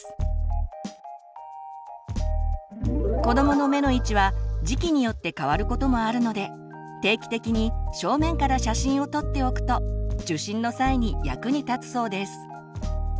子どもの目の位置は時期によって変わることもあるので定期的に正面から写真を撮っておくと受診の際に役に立つそうです。